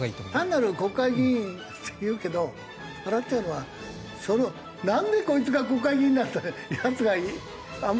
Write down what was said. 「単なる国会議員」って言うけど笑っちゃうのはそれをなんでこいつが国会議員になった？ってヤツがあんまり言わないけど誰だか。